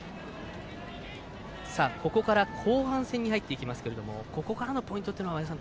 ここから後半戦に入っていきますがここからのポイントというのは前田さん